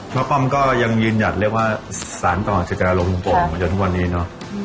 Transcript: เพราะปั๊มก็ยังยืนอยากเรียกว่าสารต่อเศรษฐกรรมของผมจนทุกวันนี้เนาะ